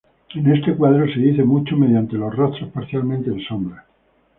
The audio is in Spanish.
En este cuadro, se dice mucho mediante los rostros parcialmente en sombras.